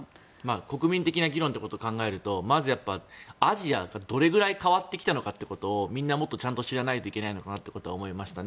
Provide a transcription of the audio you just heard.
国民的な議論と考えるとまずやっぱりアジアがどれくらい変わってきたのかということをみんなもっとちゃんと知らないといけないのかなと思いましたね。